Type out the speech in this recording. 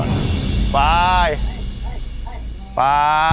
ขอบคุณมากค่ะ